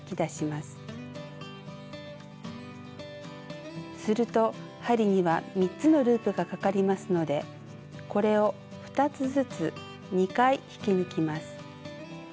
すると針には３つのループがかかりますのでこれを２つずつ２回引き抜きます。